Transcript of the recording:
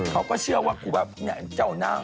เขาก็เชื่อว่าครูบาบุญชุมเนี่ยเจ้านาง